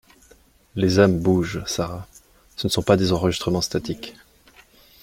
Les âmes bougent, Sara, ce ne sont pas des enregistrements statiques